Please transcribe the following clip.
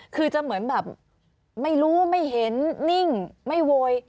คือจะเหมือนแบบไม่รู้ไม่เห็นนิ่งไม่โวย